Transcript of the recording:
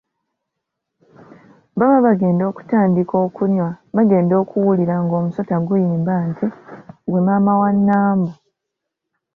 Baba bagenda okutandika okunywa bagenda okuwulira ng’omusota guyimba nti, “gwe maama wa Nambo?"